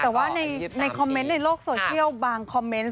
แต่ว่าในคอมเมนต์ในโลกโซเชียลบางคอมเมนต์